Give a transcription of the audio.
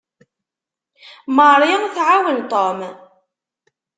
Mary tɛawen Tom.